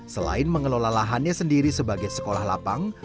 selain mengelola lahannya sendiri sebagai sekolah lapang